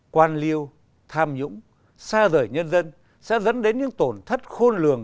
quan liêu tham nhũng xa rời nhân dân sẽ dẫn đến những tổn thất khôn lường